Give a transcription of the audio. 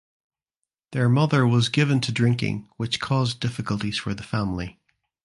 Their mother was ""given to drinking"" which caused difficulties for the family.